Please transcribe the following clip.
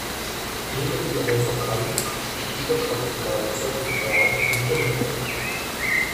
Nehmen wir einfach an, dass dieser Fakt gleichzeitig wahr und unwahr ist.